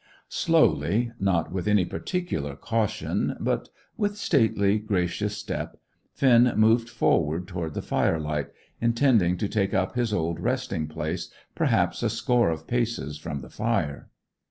Slowly, not with any particular caution, but with stately, gracious step, Finn moved forward toward the firelight, intending to take up his old resting place, perhaps a score of paces from the fire.